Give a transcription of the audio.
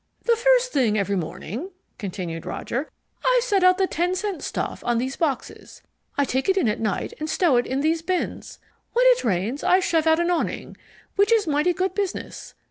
"The first thing every morning," continued Roger, "I set out the ten cent stuff in these boxes. I take it in at night and stow it in these bins. When it rains, I shove out an awning, which is mighty good business.